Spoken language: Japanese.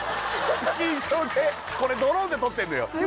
スキー場でこれドローンで撮ってんのよ